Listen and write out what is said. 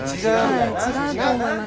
はい違うと思います。